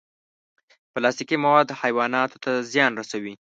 پلاستيکي مواد حیواناتو ته زیان رسوي.